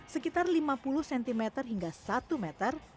sekitar lima puluh cm hingga satu meter